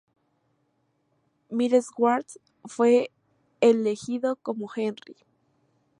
Mel Stewart fue elegido como Henry.